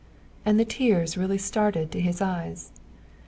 And the tears really started to his eyes.